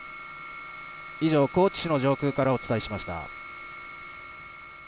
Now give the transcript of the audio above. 以上、高知市の上空からお伝えしました。